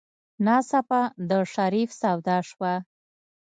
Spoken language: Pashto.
ناڅاپه د شريف سودا شوه.